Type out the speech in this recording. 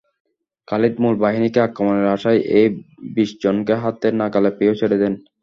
খালিদ মূল বাহিনীকে আক্রমণের আশায় এই বিশজনকে হাতের নাগালে পেয়েও ছেড়ে দেন।